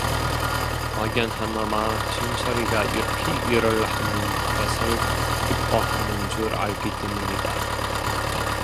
막연하나마 신철이가 이렇게 일을 하는 것을 기뻐하는 줄 알기 때문이다.